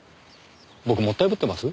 僕もったいぶってます？